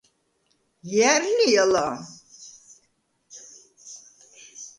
ჲა̈რ ლი ალა?